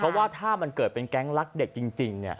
เพราะว่าถ้ามันเกิดเป็นแก๊งรักเด็กจริง